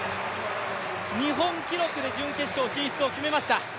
日本記録で準決勝進出を決めました。